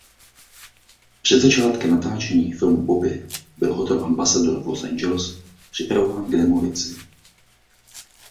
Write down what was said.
Před začátkem natáčení filmu Bobby byl hotel Ambassador v Los Angeles připravován k demolici.